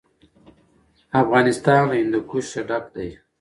افغانستان له هندوکش ډک دی.